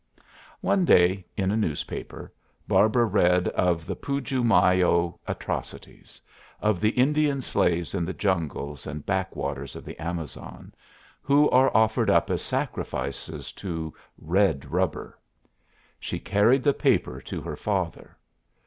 One day, in a newspaper, Barbara read of the Puju Mayo atrocities, of the Indian slaves in the jungles and back waters of the Amazon, who are offered up as sacrifices to "red rubber." She carried the paper to her father.